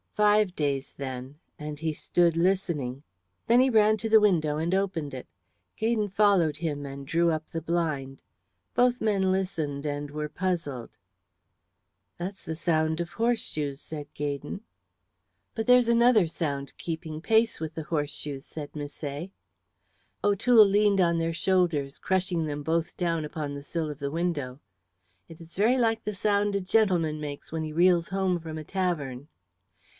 "Five days, then," and he stood listening. Then he ran to the window and opened it. Gaydon followed him and drew up the blind. Both men listened and were puzzled. "That's the sound of horseshoes," said Gaydon. "But there's another sound keeping pace with the horseshoes," said Misset. O'Toole leaned on their shoulders, crushing them both down upon the sill of the window. "It is very like the sound a gentleman makes when he reels home from a tavern."